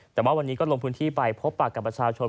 แต่ว่าวันนี้ก็ลงพื้นที่ไปพบปากกับประชาชน